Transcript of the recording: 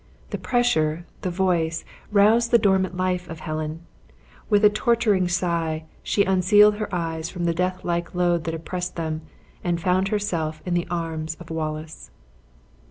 The pressure, the voice, roused the dormant life of Helen. With a torturing sigh she unsealed her eyes from the death like load that oppressed them, and found herself in the arms of Wallace.